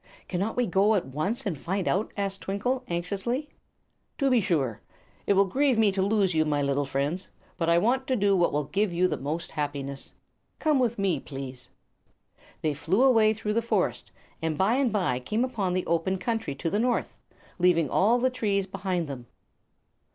"Cannot we go at once and find out?" asked Twinkle, anxiously. "To be sure. It will grieve me to lose you, my little friends, but I want to do what will give you the most happiness. Come with me, please." They flew away through the forest, and by and by came upon the open country to the north, leaving all the trees behind them.